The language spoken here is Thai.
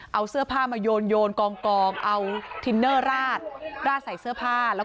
เอาเสื้อผ้ามาโยนกองเอาทินเนอร์ราด